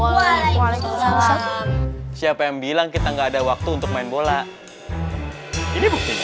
oleh satu siapa yang bilang kita enggak ada waktu untuk main bola ini buktinya